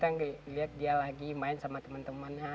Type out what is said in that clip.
kita pingin dia kita lihat dia lagi main sama temen temennya sekalian